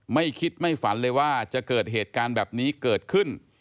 ไม่คิดไม่ฝันเลยว่าจะเกิดเหตุการณ์แบบนี้เกิดขึ้น